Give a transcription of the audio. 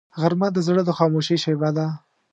غرمه د زړه د خاموشۍ شیبه ده